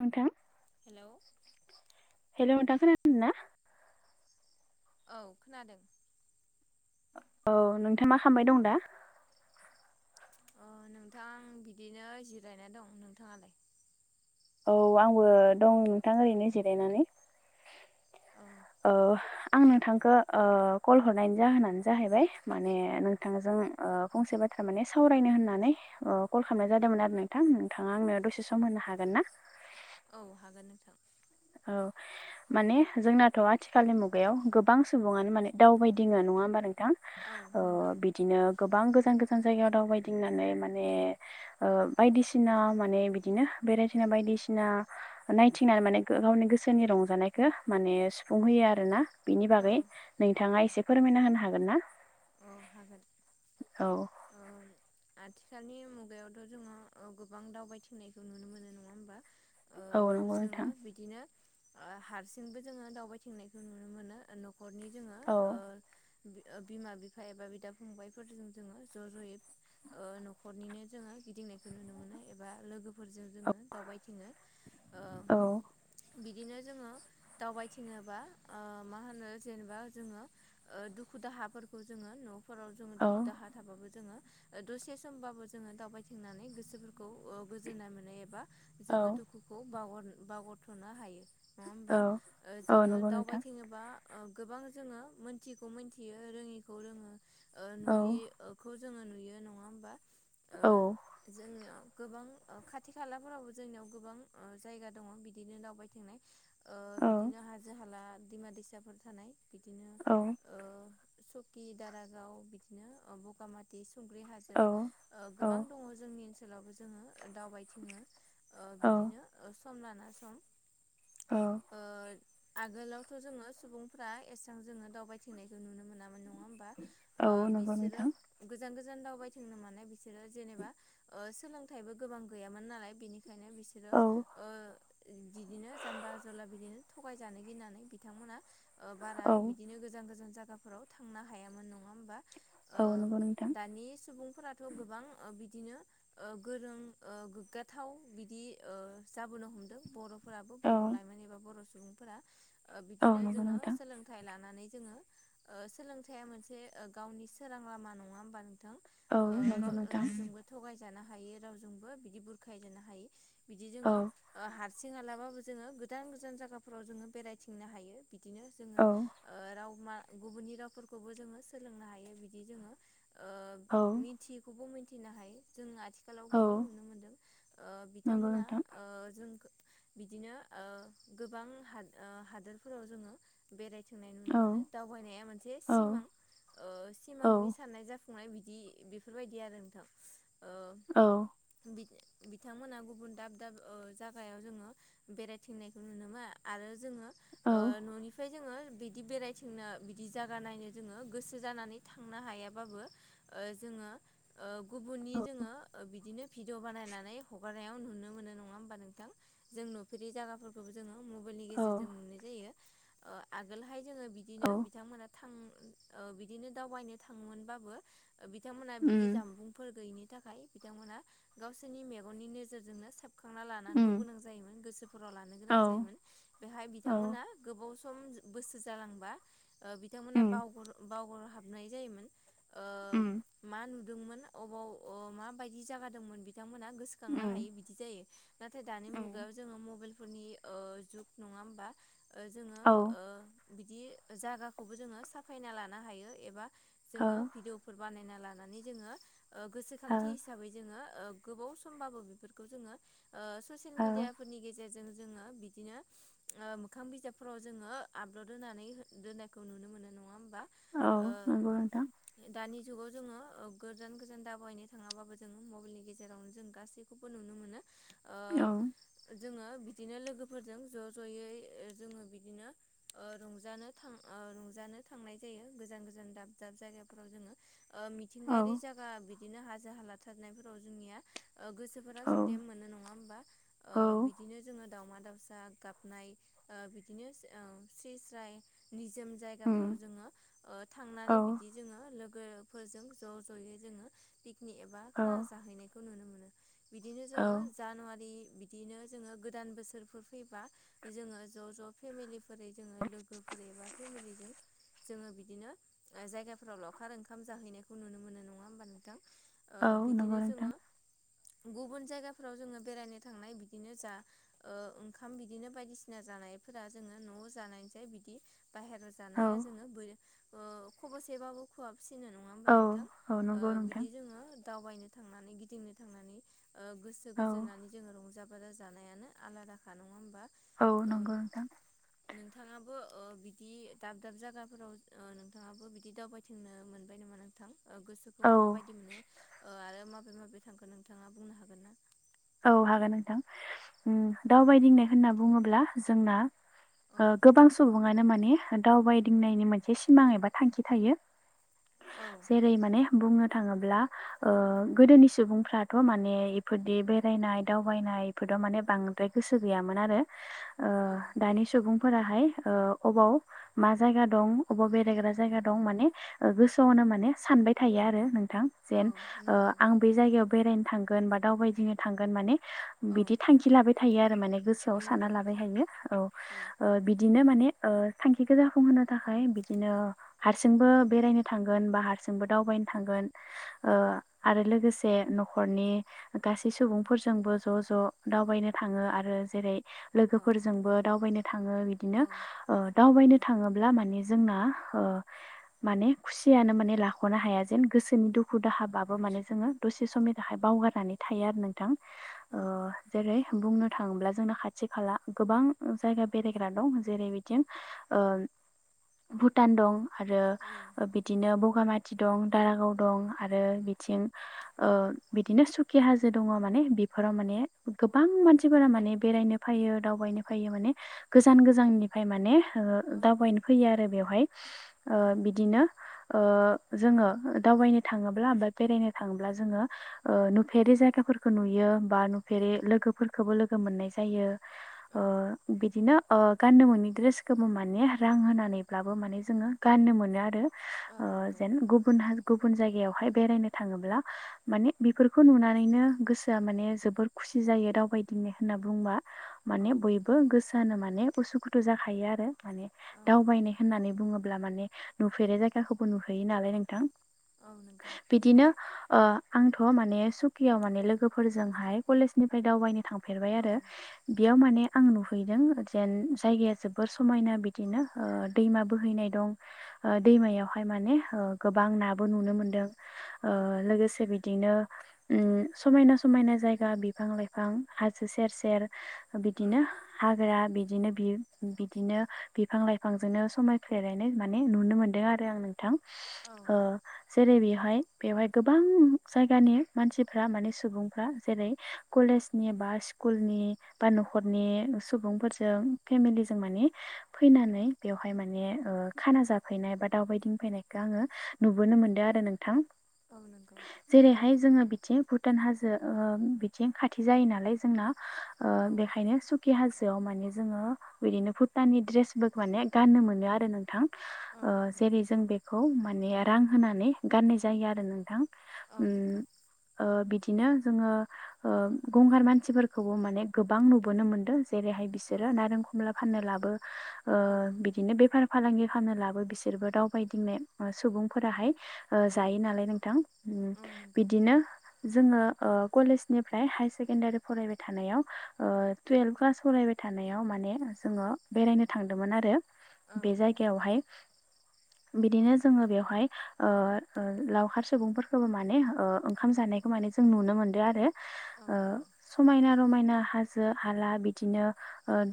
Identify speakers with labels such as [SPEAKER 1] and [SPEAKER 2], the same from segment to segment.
[SPEAKER 1] नोंथां
[SPEAKER 2] hello
[SPEAKER 1] hello दा खोनादोंना
[SPEAKER 2] औ खोनादों
[SPEAKER 1] औ नोंथां मा खालामबाय दं दा
[SPEAKER 2] अ नोंथां बिदिनो जिरायना दं नोंथाङालाय
[SPEAKER 1] औ आंबो दं नोंथां ओरैनो जिरायनानै
[SPEAKER 2] औ
[SPEAKER 1] अह आं नोंथांखो ओ कल हरनायनि जाहोनानो जाहैबाय माने नोंथांजों ओ फंसे बा थारमाने सावरायनो होननानै अ कल खालामनाय जादोंमोन आरो नोंथां नोंथाङा आंनो दसे सम होनो हागोन ना
[SPEAKER 2] औ हागोन नोंथां
[SPEAKER 1] औ माने जोंनाथ' आथिखालनि मुगायाव गोबां सुबुङानो माने दावबायदिङो नङा हबा नोंथां
[SPEAKER 2] औ
[SPEAKER 1] ओ
[SPEAKER 2] नंगौ
[SPEAKER 1] बिदिनो गोबां गोजान गोजान जायगायाव दावबायदिंनानै माने ओ बायदिसिना माने बिदिनो बेरायथिंना बायदिसिना ना नायथिंनानै माने गावनि गोसोनि रंजानायखौ माने सुफुंहोयो आरो ना बिनि
[SPEAKER 2] औ
[SPEAKER 1] बागै
[SPEAKER 2] औ
[SPEAKER 1] नोंथाङा एसे फोरमायना होनो हागोन ना
[SPEAKER 2] औ हागोन
[SPEAKER 1] औ
[SPEAKER 2] ओ आथिखालनि मुगायावथ' जोङो ओ गोबां दावबायथिंनायखौ नुनो मोनो नङा होमबा ओ
[SPEAKER 1] औ नंगौ
[SPEAKER 2] जोङो
[SPEAKER 1] नोंथां
[SPEAKER 2] बिदिनो ओ हारसिंबो जोङो दावबायथिंनायखौ नुनो मोनो न'खरनि जोङो
[SPEAKER 1] औ
[SPEAKER 2] ओ बि ओ बिमा बि बिफा एबा बिदा फंबायफोरजों जोङो ज' ज'यै ओ न'खरनिनो जोङो गिदिंनायखौ नुनो मोनो एबा लोगोफोरजों जोङो दावबायथिङो ओ
[SPEAKER 1] औ
[SPEAKER 2] बिदिनो जोङो दावबायथिङोबा ओ मा होनो जेनेबा जोङो ओ दुखु दुखु दाहाफोरखौ जोङो न'फोराव जोङो दुखु दाहा थाबाबो जोङो दसे समबाबो जोङो दावबायथिंनानै गोसोफोरखौ गोजोननाय मोननाय एबा जोङो दुखुखौ बाव बावगारथ'नो हायो। नङा होमबा
[SPEAKER 1] औ औ
[SPEAKER 2] जोङो
[SPEAKER 1] नंगौ नोंथां
[SPEAKER 2] दावबायथिङोबा गोबां जोङो मोनथिगौ मिथियो रोङि
[SPEAKER 1] औ
[SPEAKER 2] नुयिखौ जोङो नुयो नङा होमबा ओ
[SPEAKER 1] औ
[SPEAKER 2] जोंनियाव गोबां खाथि खालाफोरावबो जोंनियाव गोबां जायगा दङ बिदिनो दावबायथिंनाय ओ
[SPEAKER 1] औ
[SPEAKER 2] बिदिनो हाजो हाला दैमा दैसाफोर थानाय बि
[SPEAKER 1] औ
[SPEAKER 2] सकि दारागाव बिदिनो बगामाथि थुंग्रि हाजो
[SPEAKER 1] औ
[SPEAKER 2] गोबां दङ जोंनि ओनसोलावबो जोङो दावबायथिङो।
[SPEAKER 1] औ
[SPEAKER 2] बिदिनो सम लाना सम
[SPEAKER 1] औ
[SPEAKER 2] ओ आगोलावथ' जोङो सुबुंफ्रा एसेबां जोङो दावबायथिंनायखौ नुनो मोनामोन। नङा होमबा
[SPEAKER 1] औ नंगौ
[SPEAKER 2] बिसोरो
[SPEAKER 1] नोंथां
[SPEAKER 2] गोजान गोजान दावबायथोंनो म बिसोरो जेनेबा ओसोलोंथाइबो गोबां गैयामोन नालाय बिनि ओंखायनो बिसोरो
[SPEAKER 1] औ
[SPEAKER 2] ओ बिदिनो जाम्बा जला बिदिनो थगायजानो गिनानै बिथांमोना बारा
[SPEAKER 1] औ
[SPEAKER 2] बिदिनो गोजान गोजान जायगाफोराव थांनो हायामोन नङा होमबा
[SPEAKER 1] औ नंगौ नोंथां।
[SPEAKER 2] थ' गोबां बिदिनो गोरों गोग्गाथाव बि खनो हमदों बर'फोराबो बर'
[SPEAKER 1] औ
[SPEAKER 2] लाइमोन एबा बर' सुबुंफोरा
[SPEAKER 1] औ
[SPEAKER 2] बिदिनो
[SPEAKER 1] नंगौ
[SPEAKER 2] जोङो
[SPEAKER 1] नोंथां
[SPEAKER 2] सोलोंथाइ लानानै जोङो। सोलोंथाइया मोनसे गावनि सोरां लामा नङा होमबा। नोंथां
[SPEAKER 1] औ नंगौ दां
[SPEAKER 2] बि ह बि ज
[SPEAKER 1] औ
[SPEAKER 2] ह सिं हालाबाबो जोङो गोजान गोजान जायगाफोराव जोङो बेरायथिंनो हायो। बिदिनो जोङो
[SPEAKER 1] औ
[SPEAKER 2] राव मा। गुबुननि रावफोरखौबो जोङो सोलोंनो हायो बिदि जोङो
[SPEAKER 1] औ
[SPEAKER 2] मिथियैखौबो मोन हथिनो हायो जों आथिखालाव
[SPEAKER 1] औ
[SPEAKER 2] गोबां नुनो मोनदों
[SPEAKER 1] नंगौ नोंथां
[SPEAKER 2] बिथांमोनहा जों बिदिनो गोबां हादोरफोराव जोङो बेरायथों
[SPEAKER 1] औ
[SPEAKER 2] दावबायनाया मोनसे
[SPEAKER 1] औ
[SPEAKER 2] सिमां
[SPEAKER 1] औ
[SPEAKER 2] सिमांनि साननाय जाफुं संनाय बिदि बेफोरबायदि आरो नोंथां।
[SPEAKER 1] औ
[SPEAKER 2] बिथांमोनहा गुबुन दाब दाब जागायाव जोङो बेरायथिंनायखौ नुनो मोनो आरो जोङो।
[SPEAKER 1] औ
[SPEAKER 2] न'निफ्राय जोङो बिदि बेराय नो बिदि जायगा नायनो जोङो गोसो जानानै थांनो हायाबाबो जोङो गुबुननि जोङो बिदिनो भिडिअ बानायनानै हगारनायाव नुनो मोनो नङा होमबा नोंथां जों नुफेरि जायगाफोरखौबो जोङो मबाइलनि
[SPEAKER 1] औ
[SPEAKER 2] गेजेरजों ननाय जायो आगोलहाय जोङो
[SPEAKER 1] औ
[SPEAKER 2] बिदिनो बिथांमोना थां बिदिनो दावबायनो थाङोमोनबाबो बिथांमोनहा बिदि
[SPEAKER 1] उम
[SPEAKER 2] जामबुंफोर गैयिनि थाखाय बिथांमोना गावसोरनि मेगननि नोजोरजोंनो सेबखांना लानांगौ
[SPEAKER 1] उम
[SPEAKER 2] गोनां जायोमोन गोसो फोराव लानो
[SPEAKER 1] औ
[SPEAKER 2] गोनां जायोमोन बेहाय
[SPEAKER 1] औ
[SPEAKER 2] बिथांमोनहा गोबाव सम बोसोर जालांबा ओ बिथांमोना
[SPEAKER 1] उम
[SPEAKER 2] बाव बावगार हाबनाय जायोमोन ओ
[SPEAKER 1] उम
[SPEAKER 2] मा होन दोंमोन अबाव मााबायदि जागादोंमोन बिथांमोनहा गोसोखांनो
[SPEAKER 1] उम
[SPEAKER 2] हायो बिदि जायो। नाथाय दानि
[SPEAKER 1] उम
[SPEAKER 2] मुगायाव जोङो मबाइल फोरनि ओ जुग नङा होमबा। ओ जोङो
[SPEAKER 1] औ
[SPEAKER 2] ओ बिदि जागाखौबो जोङो साफायना लानो हायो एबा
[SPEAKER 1] औ
[SPEAKER 2] जोङो भिदिअफोर बानायना लानानै जोङो
[SPEAKER 1] औ
[SPEAKER 2] गोसोखांथि हिसाबै जोङो ओ गोबाव समबाबो बेफोरखौ जोङो ओ ससियेल
[SPEAKER 1] औ
[SPEAKER 2] मिडियाफोरनि गेजेर जों जोङो बिदिनो ओ मोखां बिजाबफोराव जोङो आपलद होनानै दोननायखौ नुनो मोनो नङा होम
[SPEAKER 1] औ नंगौ नोंथां।
[SPEAKER 2] दानि जुगाव जोङो ओ गोजान गोजान दावबायनो थाङाबाबो जोङो मबाइलनि गेजेरावनो जों गासैखौबो नुनो मोनो। ओ
[SPEAKER 1] औ।
[SPEAKER 2] जोङो बिदिनो लोगोफोरजों ज‌ ज'यै ओ जोङो बिदिनो ओ रंजानो थां ओ रंजानो थांनाय जायो गोजान गोजान दाब दाब जायगाफोराव जोङो। ओ
[SPEAKER 1] औ
[SPEAKER 2] मिथिंगायारि जायगा बिदिनो हाजो हालाथारनायफोराव जोंनिया गोसोफोरा
[SPEAKER 1] औ
[SPEAKER 2] सुदेम मोनो नङा होमबा ओ
[SPEAKER 1] औ
[SPEAKER 2] बिदिनो जोङो दावमा दाउसा गाबनाय ओ बिदिनो ओं से स्राय नि जोम
[SPEAKER 1] उम
[SPEAKER 2] जायगाफोराव जोंङो ओ‌
[SPEAKER 1] औ
[SPEAKER 2] थांनानै बिदि जोङो लोग गोफोरजों ज' ज'यै जोङो पिकनिक एबा
[SPEAKER 1] औ
[SPEAKER 2] खाना जाहैनायखौ नुनो मोनो बिदिनो
[SPEAKER 1] औ
[SPEAKER 2] जोङो जानुवारि बिदिनो जोङो गोदान बोसोरफोर फैबा जोङो ज' ज' फेमेलिफोरै जोङो लोग लोगोफोर एबा फेमेलिजों जोङो बिदिनो ओ जायगाफोराव लावखार ओंखाम जाहैनायखौ नुनो मोनो नङा होमबा नोंथां? ओ
[SPEAKER 1] औ नंगौ
[SPEAKER 2] बिदिनो
[SPEAKER 1] नोंथां।
[SPEAKER 2] जोङो गुबुन जायगाफोराव जोङो बेरायनो थांनाय बिदिनो जा ओ ओंखाम बिदिनो बायदिसिना जानायफोरा जोङो न'आव जानायसै बिद दि बाहेराव
[SPEAKER 1] औ
[SPEAKER 2] जानाया जोङो ओ खबसेबाबो खुवाब सिनो नङा होमबा
[SPEAKER 1] औ
[SPEAKER 2] नोंथां
[SPEAKER 1] औ
[SPEAKER 2] ओ
[SPEAKER 1] नंगौ
[SPEAKER 2] बिदि
[SPEAKER 1] नोंथां
[SPEAKER 2] जोङो दावबायनो थांनानै गिदिंनो थांनानै ओ गोसो
[SPEAKER 1] औ
[SPEAKER 2] गोजोननानै जोङो रंजा बाजा जानायानो आलादाखा नङा होमबा?
[SPEAKER 1] औ नंगौ नोंथां।
[SPEAKER 2] नोंथाङा बो ओ बिदि दाब दाब जायगाफोराव ओ नोंथाङाबो बिदि दावबायथिंनो मोनबाय नामा नोंथां? ओ
[SPEAKER 1] औ
[SPEAKER 2] गोसोखौ माबायदि मोनो ओ आरो माबे माबे थांखो नोंथाङा बुंनो हागोन ना?
[SPEAKER 1] औ हागोन नोंथां ओम
[SPEAKER 2] औ
[SPEAKER 1] दावबायदिंनाय होनना बुङोब्ला जोंना
[SPEAKER 2] औ
[SPEAKER 1] ओ गोबां सुबुङानो मा ने दावबायदिनायनि मोनसे सिमां एबा थांखि थायो
[SPEAKER 2] औ
[SPEAKER 1] जेरै माने बुंनो थाङोब्ला ओ गोदोनि सुबुंफ्राथ' माने इफोरदि बे बेरायनाय दावबायनाय इफोराव माने बांद्राय गोसो गैयामोन आरो ओ
[SPEAKER 2] औ
[SPEAKER 1] दानि सुबुं फोराहाय ओ अबाव मा जायगा दं अबाव बेरायग्रा जायगा दं माने ओ गोसोआव नो माने सानबाय थायो आरो नों थां
[SPEAKER 2] औ
[SPEAKER 1] जेन ओ
[SPEAKER 2] नंगौ
[SPEAKER 1] आं बे जायगायाव बेरायनो थांगोन बा दावबायदिनो थांगोन माने
[SPEAKER 2] औ
[SPEAKER 1] बिदि थांखि लाबाय थायो आरो माने गोसोआव सानना
[SPEAKER 2] नंगौ
[SPEAKER 1] लाबाय थायो औ ओ बिदिनो माने ओ थांखिखौ जाफुंहोनो थाखाय बिदिनो हारसिंबो बेरायनो थांगोन बा हारसिंबो दाव बायनो थांगोन‌ ओ आरो लोगोसे न'खरनि गासै सै सुबुंफोरजोंबो ज' ज' दावबायनो थाङो आरो जेरै
[SPEAKER 2] औ औ
[SPEAKER 1] लोगोफोरजोंबो दावबायनो थाङो बिदिनो
[SPEAKER 2] औ
[SPEAKER 1] ओ दावबायनो थाङोब्ला माने जोंना ओ माने खुसियानो माने लाखनो हाया जेन गोसोनि दु खु दाहाबाबो माने जोङो दसे समनि थाखाय बावगारनानै थायो आरो नोंथां ओ
[SPEAKER 2] औ
[SPEAKER 1] जेरै बुंनो थाङोब्ला जोंना खाथि खाला गोबां जायगा गा बेरायग्रा दं जेरै बिदि भुटान दं। आरो ओ बिदिनो बुं बगामाथि दं दारागाव दं आरो बिथिं ओ बिदिनो सु कि हाजो दङ माने बिफोराव माने गोबां मानसिफोरा माने बेरायनो फैयो दावबायनो फैयो माने गोजान गोजाननिफ्राय माने ओ
[SPEAKER 2] औ
[SPEAKER 1] दावबायनो फैयो आरो बेयाव। बेवहाय ओ बिदिनो ओ जोङो दावबायनो थाङोब्ला बा बेरायनो थां ब्ला जोङो नुफेरै जायगाफोरखौ नुयो बा नुफेरै लोगोफोरखौबो लोगो मोननाय जायो
[SPEAKER 2] औ
[SPEAKER 1] ओ बिदिनो ओ गाननो मोनै ड्रेसखौबो माने रां होनानै ब्लाबो माने जोङो गाननो मोनो आरो।
[SPEAKER 2] औ
[SPEAKER 1] ओ
[SPEAKER 2] नंगौ
[SPEAKER 1] जेन गुबुन फगुबुन जायगायावहाय बेरायनो थाङोब्ला माने बेफोर खो नुनानैनो गोसोआ माने जोबोर खुसि जायो दावबायदिंनो होनना बुंबा।
[SPEAKER 2] औ
[SPEAKER 1] माने बयबो गोसो जानो माने उसुखुथु जाखायो आरो माने दावबायनाय होननानै बुङोब्ला माने नुफेरै जाय गाखौबो नुहैयो नालाय नोंथां
[SPEAKER 2] औ नंगौ
[SPEAKER 1] बिदिनो ओ आंथ' मान ने सुकियाव माने लोगोफोरजोंहाय कलेजनिफ्राय दावबायनो थांफेरबाय
[SPEAKER 2] औ
[SPEAKER 1] आरो बेयाव माने आं नुहैदों जेन जायगाया जोबोर समायना बिदिनो ओ दैमा बोहैनाय दं। ओ दैमायावहाय माने ओ गोबां नाबो नुनो मोनदों ओ
[SPEAKER 2] औ
[SPEAKER 1] लोगोसे बिदिनो उम समायना समायना जायगा बिफां लाइफां हाजो सेर सेर
[SPEAKER 2] औ
[SPEAKER 1] बिदिनो हा ग्रख बिदिनो बिदिनो बिफां लाइफां जोंनो समाय फ्लेनाय माने नुनो मोनदों आरो आं नों थां ओ जेरै बेहाय बेवहाय गोबां जायगानि मानसिफ्रा माने सुबुंफ्रा जेरै कलेजनि बा स्कुलनि बा न'खरनि सुबुंफोरजों फेमिलिजों माने फैनानै बेयावहाय माने ओ खाना जाफैनाय बा दावबायदिं फैनायखो आङो नुबोनो मोनदों आरो नोंथां
[SPEAKER 2] औ नंगौ
[SPEAKER 1] जेरैहाय बिथि भुटान हाजो ओ बिथिं खाथि जायो नालाय जोंना ओ
[SPEAKER 2] औ
[SPEAKER 1] बेखायनो सु खि हाजोआव माने जोङो बिदिनो भुटाननि द्रेस बो माने गाननो मोनो आरो नोंथां। ओ
[SPEAKER 2] नंगौ
[SPEAKER 1] जेरै जों बेखौ माने रां होनानै गाननाय जायो आरो नोंथां।
[SPEAKER 2] औ
[SPEAKER 1] उम
[SPEAKER 2] नंगौ
[SPEAKER 1] ओ बिदिनो जोङो ओ गंगार मानसिफोरखौबो माने गोबां नुबोनो मोनदों जेरै बेहाय बिसोर
[SPEAKER 2] औ औ
[SPEAKER 1] नारें कमला फाननो लाबो ओ
[SPEAKER 2] औ
[SPEAKER 1] बिदिनो बिसोर बेफार फालांगि खालामनो लाबो बिसोरबो दावबायदिंनाय सुबुंफोराहाय ओ जायो नालाय नोंथां उम।
[SPEAKER 2] औ नंगौ
[SPEAKER 1] [unintelligible] जोङो ओ कलेजनिफ्राय हायार सेकेण्डारि फरायबाय थानायाव ओ टुयेल्भ क्लास फरायबाय थानाय थानायाव माने जोङो बेरायनो थांदोंमोन आरो
[SPEAKER 2] औ
[SPEAKER 1] बे जायगायावहाय। बिदिनो जोङो बेवहाय ओ लावखार सुबुंफोरखौबो माने ओ ओंखाम जानायखौ माने जों नुनो मोनदों आरो
[SPEAKER 2] औ
[SPEAKER 1] ओ
[SPEAKER 2] नंगौ
[SPEAKER 1] समायना रमायना हाज जो हाला बिदिनो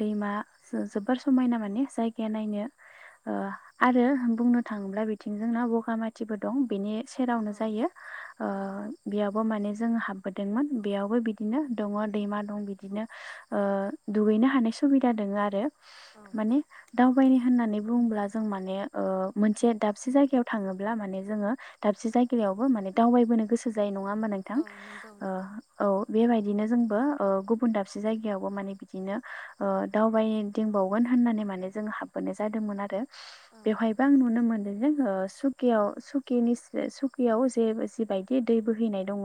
[SPEAKER 1] दैमा जोबोर समायना माने जायगाया नायनो। ओ आरो बुंनो थाङोब्ला बिथिं जोंना बगाामाथिबो दं बेनि सेरावनो जायो
[SPEAKER 2] औ
[SPEAKER 1] ओ
[SPEAKER 2] औ
[SPEAKER 1] बेयाबो माने जों हाबबोदोंमोन‌ बेयावबो‌ बिदिनो दंङ दैमा दं‌ ओ दुगैनो नो हानाय सुबिदा दङ आरो
[SPEAKER 2] औ
[SPEAKER 1] माने दावबायनो होननानै बुङोब्ला जों माने ओ मोनसे दाबसे जायगायाव थाङोब्ला माने जोङो दा दाबसे जायगायावबो माने दावबायबोनो गोसो जायो‌ नंङा होमबा नोंथां
[SPEAKER 2] नंगौ नंगौ
[SPEAKER 1] ओ औ बेबायदि दिनो जोंबो ओ गुबुन दाबसे जायगावबो माने बिदिनो ओ दावबायदिंबावगोन होन्नानै माने जों हाबबोनाय जादोंमोन आरो।
[SPEAKER 2] औ
[SPEAKER 1] बेवहायबो आं नुनो मोनदों जोङो सुखिआव सुखिनि सुखियाव जे जि बायदि दै बोहैनाय दङ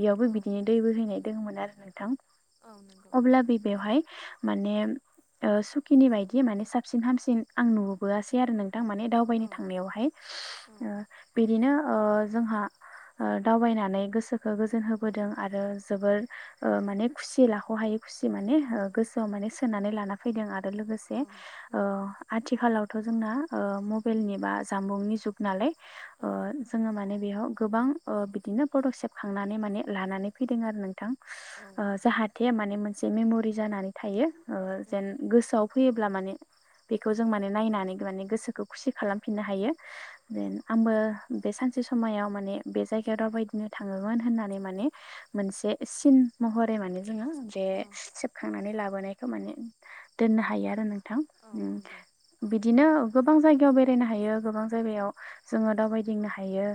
[SPEAKER 1] बेयावबो बिदिनो दै बोहैनाय दङ मोन आरो नोंथां।
[SPEAKER 2] औ नंगौ
[SPEAKER 1] अब्ला बे बेवहाय माने ओ सुखिनि बायदि माने साबसिन हामसिन आं नुबोआसै आरो नों थां माने दावबायनो
[SPEAKER 2] औ
[SPEAKER 1] थांनायावहाय
[SPEAKER 2] औ
[SPEAKER 1] ओ बिदिनो ओ जोंहा ओ दावबायनानै गोसोखौ गोजोन होबोदों आरो जोबोर ओ माने खुसि लाख' हायै खुसि माने ओ गोसोआव माने सोनानै लाना फैदों आरो लोगोसे ओ
[SPEAKER 2] औ
[SPEAKER 1] आथिखालावथ' जोंना ओ मबाइलनि बा जामबुंनि जुग नालाय ओ
[SPEAKER 2] नंगौ
[SPEAKER 1] जोङो माने बेयाव गोबां ओ बिदिनो फथ' सेबखांनानै माने‌ लानानै फैदों आरो नोंथां
[SPEAKER 2] औ औ
[SPEAKER 1] ओ जाहाथे माने‌ मोनसे मेमरि जानानै थायो ओ
[SPEAKER 2] औ
[SPEAKER 1] जेन गोसोआव फैयोब्ला माने बेखौ जों माने नायनानै माने गोसोखौ खुसि खालामफिननो हायो।
[SPEAKER 2] औ
[SPEAKER 1] माने आंबो बे सानसे समायाव बे जायगायाव दावबायदिंनो थाङोमोन होननानै माने मोनसे सिन महरै माने जोङो बे
[SPEAKER 2] औ
[SPEAKER 1] सेबखांनानै लाबोनायखौ माने दोननो हायो आरो नों थां
[SPEAKER 2] औ
[SPEAKER 1] उम्म
[SPEAKER 2] नंगौ
[SPEAKER 1] बिदिनो गोबां जायगायाव बेरायनो हायो गोबां जायगायाव जोङो दावबायदिंनो हायो।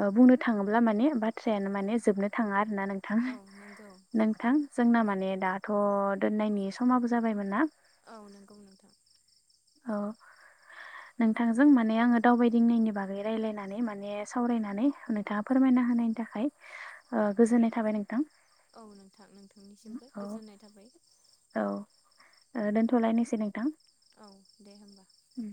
[SPEAKER 1] ओ बुंनो थाङोब्ला माने बाथ्रायानो माने जोबनो थाङा आरो ना नोंथां
[SPEAKER 2] औ नंगौ
[SPEAKER 1] नोंथां जोंना माने दाथ' दोननायनि समाबो जाबायमोन ना?
[SPEAKER 2] औ नंगौ नोंथां।
[SPEAKER 1] औ नोंथांजों माने आंङो दावबायदिंनायनि बागै रायलायनानै माने सावरायना नानै नोंथाङा फोरमायना होनायनि थाखाय ओ गोजोननाय थाबाय नोंथां।
[SPEAKER 2] औ नोंथां नोंथांनिसिमबो गोजोननाय थाबाय।
[SPEAKER 1] ओ दोनथ'लायनोसै नोंथां।
[SPEAKER 2] औ दे होमबा।
[SPEAKER 1] उम